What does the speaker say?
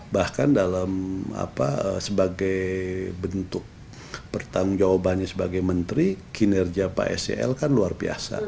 bahkan dalam apa sebagai bentuk pertanggung jawabannya sebagai menteri kinerja pak sel kan luar biasa